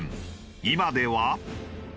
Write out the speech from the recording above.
今では。